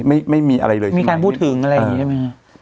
ไม่มีอะไรเลยมีการพูดถึงอะไรอย่างนี้ใช่ไหมฮะ